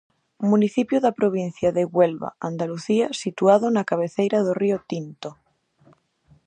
Municipio da provincia de Huelva, Andalucía, situado na cabeceira do río Tinto.